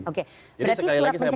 oke berarti surat pencekalan dikeluarkan